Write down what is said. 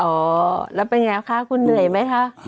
อ๋อแล้วเป็นไงคะคุณเหนื่อยไหมคะ